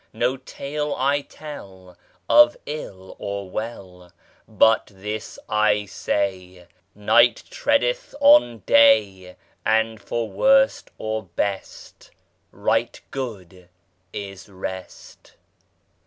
No tale I tell Of ill or well, But this I say: Night treadeth on day, And for worst or best Right good is rest.